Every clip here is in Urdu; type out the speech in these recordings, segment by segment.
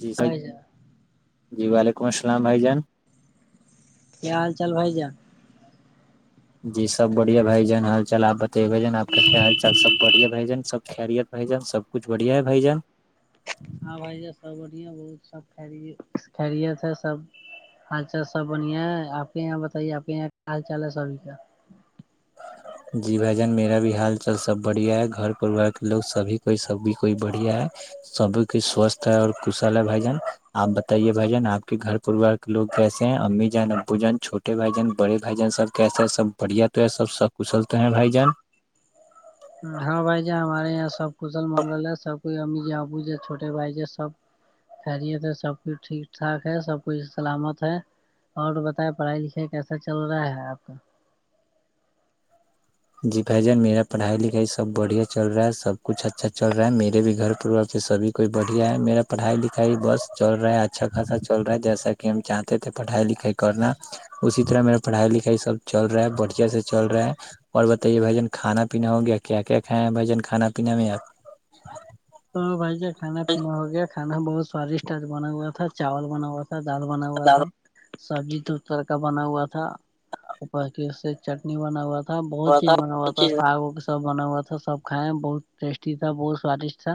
جی بھائی جی وعلیکم السلام بھائی جان کیا حال چال بھائی جان جی سب بڑھیا بائی جان ہال چال آپ بت جان آپ کی حال چال سب بڑیا بائی جن سب خیریت بھ جان س کچھ بڑھیا ہےائی جاان ہاں بھائی سب بڑیا بہت سب خیریت ہے سب حال چال سب بڑھیا ہے آپ یہاں بتائیے آپ کے یہاں کیا حال چال ہے سبھی کا جی بھ جان میرا بھی حال چال سب بڑھیا ہے گھر پروار کے لوگ سبھی کوئی سبھی کوئی بڑھیا ہے سب کی سوستھ ہے اور کشل ہے بھائی جان آپ بتائیے بھ جان آپ کے گھر پوار لو کیسے ہیں امی جان ابو جن چھوٹے بھائی جان بڑے بھائی جان سب کیسے ہیں سب بڑھیا تو سب سب کچلتے ہیں بھائی جان ہاں بھائی جان ہمارے یہاں سب کشل منگل ہے سب کو امی جی ابوجی ہے چھوٹے بھائی جی سب خیریت سب کچھ ٹھیک ٹھاک ہے سب کچھ سلامت ہے اور بتائے پڑھائی لکھائی کیسا چل رہا ہے آپ کا جی بھائی جان میرا پڑھائی لکھائی سب بڑھیا چل رہا ہے سب کچھ اچھا چل رہا ہے میرے بھی گھر پروار سے سبھی کوئی بڑھیا ہے میرا پڑھائی لکھائی بس چل رہا ہے اچھا خاصا چل رہا ہے جیسا کہ ہم چاہتے تھے پڑھائی لکھائی کرنا اسی طرح میرا پڑھائی لکھائی سب چل رہا ہے بڑھیا سے چل رہا ہے اور بتائیے بھائی جان کھانا پینا ہو گیا کیا کیا کھائے ہیں بھائی جان کانا پینا میں آپ تو بھائی ج کھانا پینا ہو گیا کھانا بہت سوادشٹ آج بنا ہوا تھا چاول بنا ہوا تھا ڈال بنا ہوا تھا سبزی تو ترکا بنا ہوا تھا اپر کی اس سے چٹنی بنا ہوا تھا بہت چیز آپ بنا ہوا تھا چیز ساگ وگ سب بنا ہوا تھا سبھائے ہیں بہت ٹیسٹی تھا بہت سواددشٹ تھا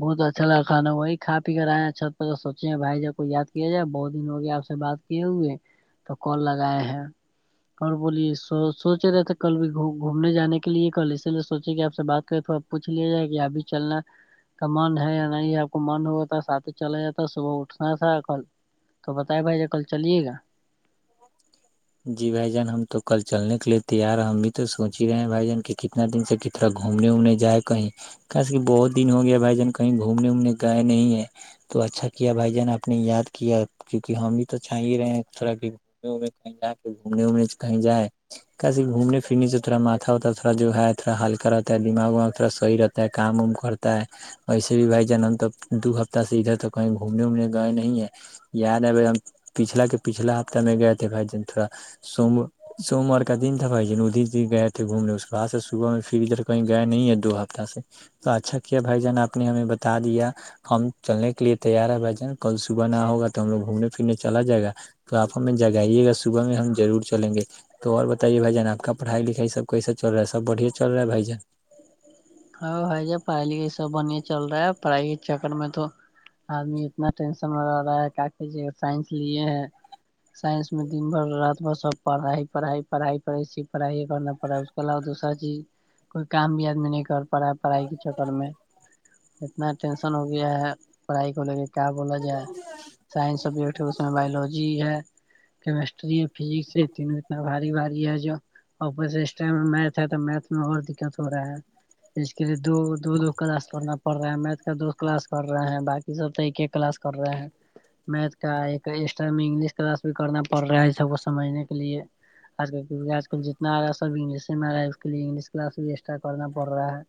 بہت اچھا لگا وہی کھا پی کر آئے ہیں اچھا سوچے بھائی جب کو یا کیا جائے بہت دن ہو گیا آ سے بات کیے ہوئے تو کال لگائے ہیں اور بولیے س سوچے رہے تھے کل بھی گھومنے جانے کے لیے کل اسی لیے سوچے کہ آپ سے بات کریں تو آپ پوچھ لیاجائے کہ اپ بھی چلنا کا من ہے یا نہیں آپ کو من ہواتا سات چلا جاتا صبح اٹھنا تھا کل تو بتائے بھائی ج کل چلیے گا [inaudible] جی بھائی جان ہم تو کل چلنے کے لیے تیار ہیں ہم بھی تو سوچ ہی رہے ہیں بھائی جان کی کہ اتنا دن سے کطرا گھومنے ومنے جائے کہیں کیسی کہ بہت دن ہو گیا بھائی جان کہیں گھومنے وومنے گئے نہیں ہے تو اچھا کیا بھائی جان آپ نے یاد کیا کیونکہ ہم بھی تو چاہ ہی رہے ہیں تھوڑا گمے کہیں جا کے گھومنے وومنے کہیں جائے کیسی گھومنے پھرنے سے تھوا ماتھا ہوتا ہے تھوا جو ہے تھوڑا ہلکا رہتا ہے دماغ واغ تھڑا صحی رہتا ہے کام وام کرتا ہے ویسے بھی بھائی جان ہم تو دو ہفتہ سے ادھر تو کہیں گھومنے وومنے گئے نہیں ہیں یاد ہے بھائی ہم پچھلا کے پچھلا ہفتہ میں گئے تھے بھائی جان تھوڑا سوم سوموار کا دن تھا بھائی جن اودی جی گئے تھے گھومنے اس کے بعد سے صبح میں پھر ادھر کہیں گئے نہیں ہے دو ہفتہ سے تو اچھا کیا بھائی جان آپ نے ہمیں بتا دیا ہم چلنے کے لیے تیار ہے بھائی جان کل صبح نہ ہوگا تو ہم لوگ گھومنے پھرنے چلا جائے گا تو آپ ہمیں جگائیے گا صبح میں ہم ضرور چلیں گے تو اور بتائیے بھائی جان آپ کا پڑھائی لکھائی سب کیسا چل رہا سب بڑھیا چل رہا ہے بھائی جان ہاں بھائی جان پا لے سب چل رہا ہے پڑھائی کے چکر میں تو آدمی اتنا ٹینشن میں رہ رہا ہے کہ سائنس لیے ہیں سائنس میں دن بھر رات بھر سب پڑائی پڑائی پڑائی پڑھائی کرنا پڑا اس علاوہ دوسا چیز کوئی کام بھی آدمی نہیں کر پڑا پڑھائی کے چکر میں اتنا ٹینسن ہو گیا ہے پڑھائی کو لے کے کیا بولا جائے سائنس سبجیکٹ ہے اس میں بایولوجی ہے کیمسٹری ہے فزکس یہ تینوں اتنا بھاری باری ہے جو اپر سے سٹائم میھ ہے تو میتھ میں اور دقت ہو رہا ہے اس کے لیے دو دو دو کلاس پڑھنا پڑ رہا ہے میتھ کا دو کلاس کر رہے ہیں باقی سب تو ایکے کلاس کر رہے ہیں میتھ کا ایکٹ انگلش کلاس بھی کرنا پڑ رہا ہے سب کو سمجھنے کے لیے آج کل کیک آج کل جتنا آ رہا سب انگ میں آ رہاگلش کلاس ایکسٹرا کرنا پر رہا ہے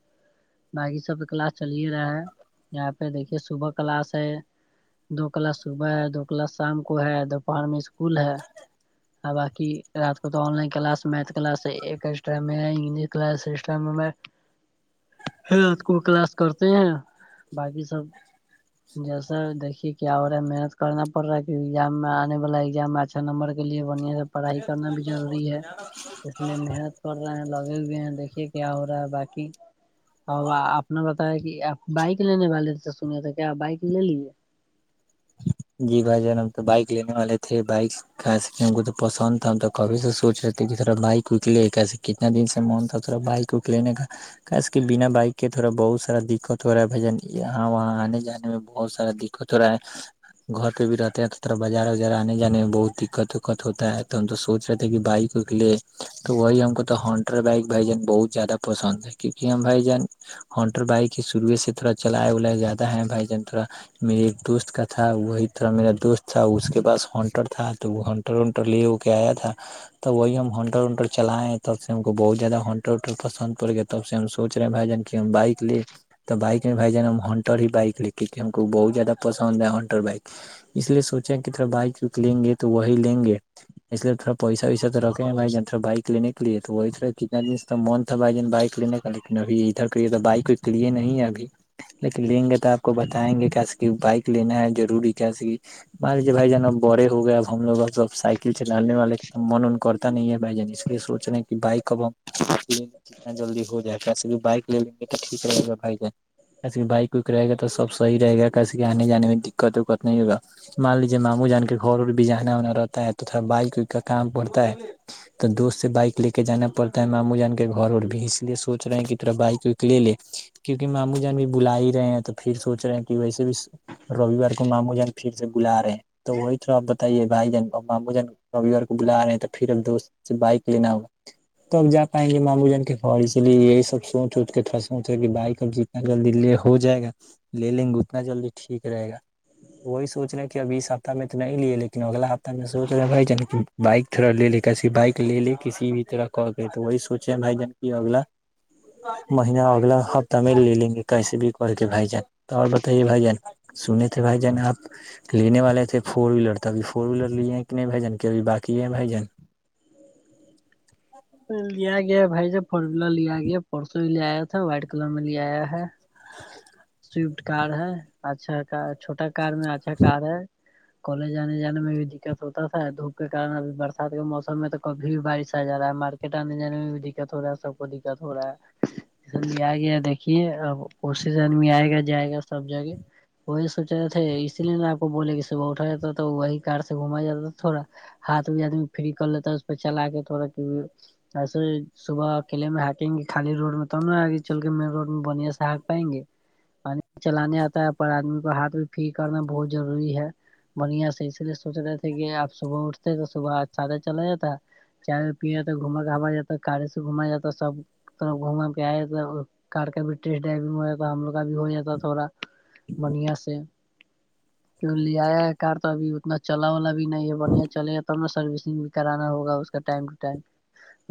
باقی سب کلاس چلے رہا ہے یہاں پہ دیکھیے صبح کلاس ہے دو کلاس صبح ہے دو کلاس شام کو ہے دوپہر میں اسکول ہے ہاں باقی رات کو تو online class math class extra میں انگل کلاس اس ٹائم میں ات کو کلاس کرتے ہیں باقی سب جیسا دیکھیے کیا ہو رہا ہے محنت کرنا پڑ رہا ہے ایگام آنے والا ایگزام اچھا نمبر کے لیے بنیا پڑھائی کرنا بھی ضروری ہے اس لیے محنت کر رہے ہیں لگے ہوئے ہیں دیکھیے کیا ہو رہا ہے باقی کی ا آپ نے بتایا کہ آپ بائک لینے والے سے سنی تھا کیا بائک لے لیے جی بھائی جان ہم تو بائک لینے والے تھے بائک کیسے ہم کو تو پسند تھا تو کبھی سے سو رہے تھے کہ تھا بائک اکلے کیسے کتنا دن سے من تھاا بائک کوک لینے کا خ س کہ بنا بائک کے تھوڑا بہت سارا دقت ہو رہا ہے بھجن یہاں وہاں آنے جانے میں بہت سارا د کچورا ہے گھر پہ بھی رہتے ہیں تو طرا بازار وازار آنے جانے میں بہت دقت وکقت ہوتا ہے تو ہم تو سوچ رہتے ہیں کہ بائک کے لیے تو وہی ہم کو تو ہنٹر بائک بھائی جان بہت زیادہ پسند ہے کیونکہ ہم بھائی جان ہٹر بائک ہی شروعئے سے تھڑا چلائے ولائے زیادہ ہے بھائی جان تھڑا میرے ایک دوست کا تھا تھا وہی تھرا میرا دوست تھا اس کے پاس ہنٹر تھا تو وہ ہنٹر ونٹر لے ہو کے آیا تھا توب وہی ہم ہنٹر ونٹر چلائےیں تب سے ہم کو بہت زیادہ ہنٹر ونٹر پسند پڑ گیا تب سے ہم سوچ رہے ہیں بھائی جان کی ہم بائک لے تو بائک میں بھائی جان ہم ہنٹر ہی بائک لے کیونہ ہم کو بہت زیادہ پسند ہے بائک اس لیے سوچیں کہ بائکک لیں گے تو وہی لیں گے اس لیے تھوڑا پیسہ ویسا تو رکھے بائی ج تھوا بائک لینے کے لیے تو وہی تھا کتنا دن تو من تھا بھائی جان بائک لینے کا لیکن ابھی ادھر کاد بائک کو لیے نہیں ہے ابھی لیکن لیں گے تو آپ کو بتائیں گے کیس کہ بائک لینا ہے ضروری کیس کہ مان لیجیے بھائی جانب بڑے ہو گئے اب ہم لوگ اب اب سائیکل چلانے والے من کرتے نہیں ہے بھائی جان اس لیے سوچ رہے ہیں کہ بائی کب جتنا جلدی ہو جائے کیسے بھی بائک لے لیں گے تو ٹھیک رہے گا بھائی ج کیسے کہ بائک وک رہ گا تو سب صحیح رہ گا کیسے کہ آنے جانے میں دقت وکقت نہیں ہوگا مان لیجیے ماموں جان کے گھر ا بھی جانا وانا رہتا ہے تو تھوڑا بائک وک کا کام پڑتا ہے تو دوست سے بائک لے کے جانا پڑتا ہے ماموں جان کے گھر اور بھی اس لیے سوچ رہے ہیں کہ تا بائک وک لے لے کیونکہ ماموں جان بھی بلا ہی رہے ہیں تو پھر سوچ رہے ہیں کہ ویسے بھی رووار گمام مجن پھر سے بلا رہے ہیں تو وہی تھ آپ بتائیے بھائی جن اور ماموں جن کبھی اور کو بلا رہے تو پھر ا دوست بائک لینا ہوا تو اب جا پائیں گے مامو جن کے گ اس لیے یہی سب سوچ اوچ کے سچ بائک اب جی جلدی لے ہو جائے گا لے لیں گے اتنا جلدی ٹھیک رہے گا وہی سوچ رہے کہ اب بیس ہفتہ میں تو نہیں لیے لیکن اگلا ہفتہ میں سوچ رہے بھائی جن بائک تھوڑا لے لے کیسی بائک لے کسی بھی طرح کر کے وہی سوچے بائی جان اگلا مہینہ اگلا ہفتہ میں لے لیں گے کیسے بھی کر کے بھائی جان تو اور بتائیے بھائی جان سنے تھے بھائی جان آپ لینے والے تھے فور ویلر توبھی فور ویلر لیے ہیں کہ نہیں بھیجنبھی بای ہے بھیجن لیا گیا ہے بھائی جب فور ویلر لیا گیا پرسوں بھی لے آیا تھا وائٹ کلر میں لے آیا ہے سوئفٹ کار ہے اچھا ک چھوٹا کار میں اچھا کار ہے کالج آنے جانے میں بھی دقت ہوتا تھا دھوپ کے کن اب برسات کے موسم میں تو کبھی بھی بارش آ جا ہے ہمار کٹاننے جانے میں بھی دقت ہو رہا ہے سب کو دقت ہو رہا ہے اس لے آ گیا دیکھیے اب کوشس آدمی آئے گا جائے گا سب جگہ وہی سوچ رہے تھے اس لیے نا آپ کو بولے کہ صبح اٹھا جاتا تھا تو وہی کار سے گھمایا جاتا تھا تھوڑا ہاتھ بھی آدمی فری کر لیتا ہے اس پہ چلا کے تھوڑا کہ ایسے صبح اکیلے میں ہکیں گے خالی روڈ میں تب ن آگے چل کے مین روڈ میں بڑیا سے ہنک پائیں گے پانی چلانے آتا ہے پر آدمی کو ہاتھ میں پ کرنا بہت ضروری ہے بنیا سے اس لیے سوچ رہے تھے کہ آپ صبح اٹھتے تو صبح آج سھے چلا جاتا چائے و پییا جاتا گھما گھا جاتا کارے سے گھما جاتا سب تھف گھما کے آیا تھ کار کا بھی ٹیسٹ ڈرونگ ہو تھا ہم لوگ کا بھی ہو جاتا تھوڑا بنی سے کی لے آیا ہے کار تو ابھی اتنا چلا والا بھی نہیں ہے بڑھیا چلے گا تب نا سروسنگ بھی کرانا ہوگا اس ٹائم ٹ ائم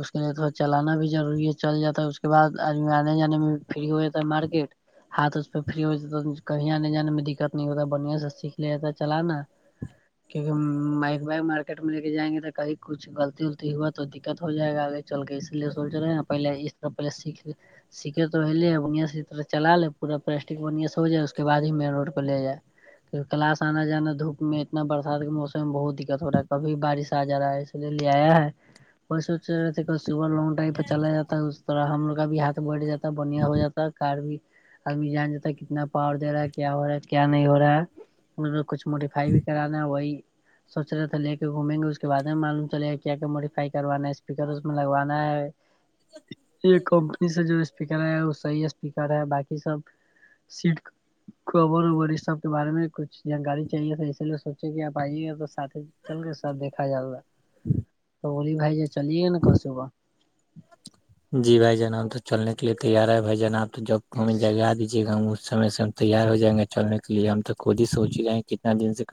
اس کے لیے تھوڑا چلانا بھی ضروری ہے چل جاتا ہے اس کے بعد آدمی آنے جانے میں فری ہوتا ہے مارکیٹ ہاتھ اس پہ فری ہو جاتا کہیں آنے جانے میں دقت نہیں ہوتا بڑھیا سے سیکھ لے جاتا چلانا کیونکہ مائک وائک مارکٹ میں لے کے جائیں گے تو کہیں کچھ غطی وغلتی ہوا تو دت ہو جائے گا آگے چل کے اس لیے سوچ رہے پہے اس طرح پلے سیکھ سیککھے تولے بیا سےرح چلا لے پورا پلاسٹک بیا سے ہو جائے اس کے بعد ہی مین روڈ لے جائے کلاس آنا جانا دھوپ میں اتنا برسات کے موسم میں بہت دقت ہو رہا ہے کبھی بارش آ جا ہے پ ل آ ہے کو رہ لانگ ڈرو پ چلا جاتا اسح ہم لوگ کا بھی ہاتھ بیٹھ جات بنھیا ہو جاتا ہے کار بھی آدمی جان جتا ہے کتنا پاڑ دے رہا ہے کیا ہو رہا ہے کیا نہیں ہو رہا ہے ان کچھ موڈیفائی بھی کرانا ہے وہی سوچ رہا تھا لے کے گھومیں گے اس کے بعد میں معلوم چلے گ کیا موڈیفائی کروانا اسپیکر اس میں لگوانا ہے یہ کمپنی سے جو اسپیکر ہے وہ صحی ہے اسپیکر ہے باقی سب سیٹ کبر ابر اس سب کے بارے میں کچھ جانکاری چاہیے تھا اسی لیے سوچے کہ آپ آئیے گا تو س ہی چل گے سب دیکھا جا رہا ہے بولی بھائی ج چلیے نا کاسےبا جی بھائی جان ہم تو چلنے کے لیے تیار ہے بھائی جان آپ تو ج جگا دیجیے جا ہم اس سمے سے ہم تیار ہو جائیں گے چلنے کے لیے ہم تو خود ہی سوچ ہی رہائیں گ کتنا دن سے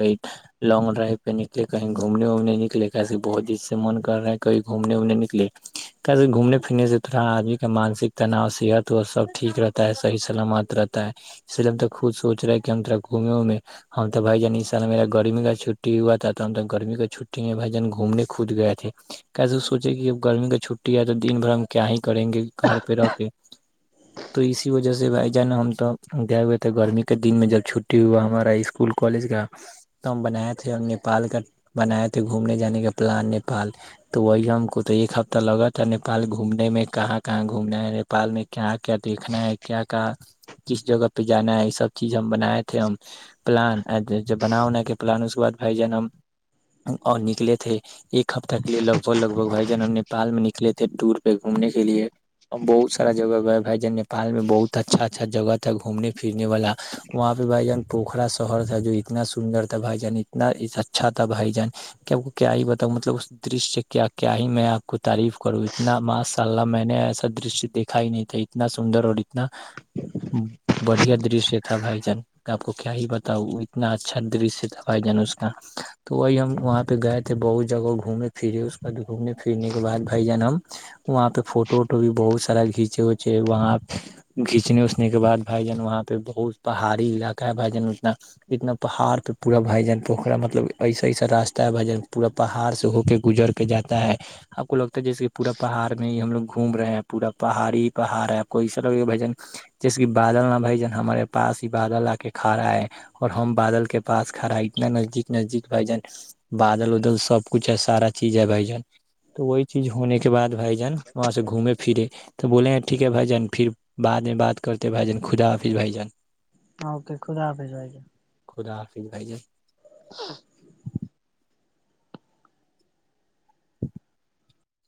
لانگ ڈرائیو پہ نلے کہیں گھومنےومنے نکلے کیسے بہت دد سے من کر رہا کہیں گھومنےومنے نکلے ک گھومنے اپنے سے تھوڑا آدمی کا مانسک تناؤ صحت و سب ٹھیک رہتا ہے صحی سلامت رہتا ہے اسلم تک خود سوچ رہا ہے کہ ہمرا گھومے میں ہم تو بھائی جان ان سا اللہ میرا گرمی کا چھٹی ہوا تھا تو ہم تو گرمی کا چھٹی میں بھائی جان گھومنے خود گئے تھے کیسے سوچے کہ جب گرمی کی چھٹی ہے تو دن بھر ہم کیا ہی کریں گے گھر پہ رہ کے ہ تو اسی وجہ سے بھائی جانا ہم تو گئے ہوئے تھے گرمی کے دن میں جب چھٹٹی ہوا ہمارا اسکول کالج کا ہم بناائے تھے اور نیپال کا بنایا تھے گھومنے جانے کا پلان نیپال تو وہی ہم کو تو ایک ہفتہ لگا تھا نیپال گھومنے میں کہاں کہاں گھومنا ہے نیپال میں کیا کیا دیکھنا ہے کیا کیا کس جگہ پہ جانا ہے یہ سب چیز ہم بنائے تھے ہم پلان ج بنا ہونا کے پلان اس کے بعد بائی جان ہم اور نکلے تھے ایک ہفتہ کے لیے لگ بگ لگ بھگ بائی جن ہم نپال میں نکلے تھ [unintelligible] ٹور پہ گھومنے کے لیے اور بہت سارا جگہ گئے ہے جیپال میں بہت اچھا اچھا جگہ تھا گھومنے پھرنے والا وہاں پہ بھائی جان پوکھرا شہر تھا جو اتنا سندر تھا بھائی جان اتنا اچھا تھا بھائی جان کہ آپ کو کیا ہی بتاؤ مطلب اس دشیہ سے کیا کیا ہی میں آپ کو تعریف کروں نہ ماشاء اللہ میں نے ایسا درش دیکھا ہی نہیں تھا اتنا سندر ہو انا بڑھیا دشیہ [unintelligible] تھا بھائی جان آپ کو کیا ہی بتاؤ اتنا اچھا درش تھا بھائی جان اس کا تو وہی ہم وہاں پہ گئے تھے بہت جگہ گھومے پھرے اس بعد گھومنے پھرنے کے بعد بھائی جان ہم وہاں پہ فوٹو ووٹو بھی بہت سارا کھینچے وچے وہاں کھینچنے اچنے کے بعد بھائی جان وہاں پہ بہت [unintelligible] پہاڑی علاقہ ہے بھائی جان اتنا اتنا پہاڑ پہ پورا بھجن پوکھرا مطلب ایسا ایسا راستہ ہے بھجن پورا پہاڑ سے ہو کے گزر کے جاتا ہے [unintelligible] آپ کو لگتا ہے جیسے پورا پہاڑ میں ہی ہم لوگ گھوم رہے ہیں پورا پہاڑی پہاڑ ہے کوئی سا ل بھجن [unintelligible] جیس کہ بادل نہ بھائی جان ہمارے پاس ہی بادل آ کے کھڑا ہے اور ہم بادل کے پاس کھڑا اتنا نزدیک نزدیک بھائی جان بادل ادل سب کچھ ہے سارا چیز ہے بھ جان تو وہی چیز ہونے کا [unintelligible] اس کے بعد بھائی جان وہاں سے گھومے پھرے تو بولیں ٹھیک ہے بھائی جان پھر بعد میں بات کرتے ہیں بھائی جان خدا حافظ بھائی جان ہاں اکے خودا آفےس آ گے [unintelligible] خدا حافظ بائی جیں [unintelligible] [inaudible]